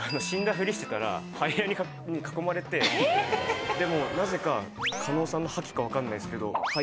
フリしてたらハイエナに囲まれてでもなぜか狩野さんの覇気か分かんないですけどすごい！